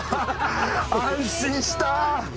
安心した。